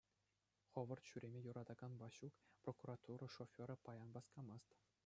Хӑвӑрт ҫӳреме юратакан Ваҫук, прокуратура шоферӗ, паян васкамасть.